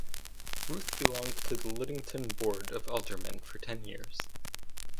Rath belonged to the Ludington board of aldermen for ten years.